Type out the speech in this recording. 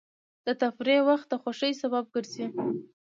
د تفریح وخت د خوښۍ سبب ګرځي.